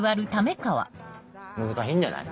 難しいんじゃない？